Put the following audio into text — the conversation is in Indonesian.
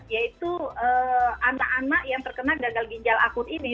yaitu anak anak yang terkena gagal ginjal akut ini